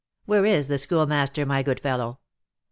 "Where is the Schoolmaster, my good fellow?"